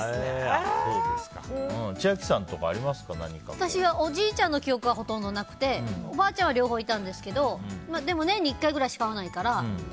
私は、おじいちゃんの記憶はほとんどなくておばあちゃんは両方いたんですけどでも年に１回ぐらいしか会わないから。